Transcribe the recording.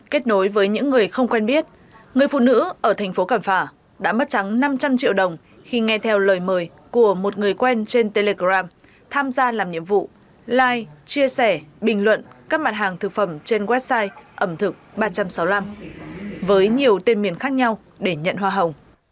kết nối với những người không quen biết người phụ nữ ở thành phố cảm phả đã mất trắng năm trăm linh triệu đồng khi nghe theo lời mời của một người quen trên telegram tham gia làm nhiệm vụ like chia sẻ bình luận các mặt hàng thực phẩm trên website ẩm thực ba trăm sáu mươi năm với nhiều tên miền khác nhau để nhận hoa hồng